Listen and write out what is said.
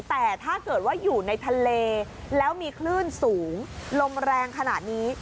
แต่ถ้าเกิดว่าอยู่ในทะเลแล้วมีคลื่นสูงลมแรงขนาดนี้